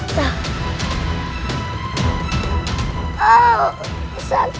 tidak ada kakiei ayolah